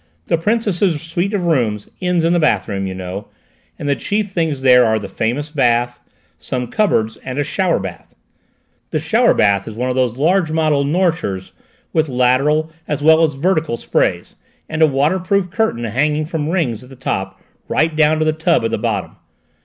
The Princess's suite of rooms ends in the bathroom, you know, and the chief things there are the famous bath, some cupboards, and a shower bath: the shower bath is one of those large model Norchers with lateral as well as vertical sprays, and a waterproof curtain hanging from rings at the top right down to the tub at the bottom.